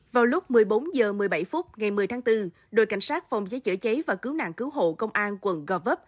vào lúc một mươi bốn h một mươi bảy phút ngày một mươi tháng bốn đội cảnh sát phòng cháy chữa cháy và cứu nạn cứu hộ công an quận gò vấp